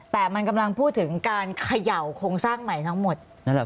แต่มันกำลังพูดถึงการเขย่าโครงสร้างใหม่ทั้งหมด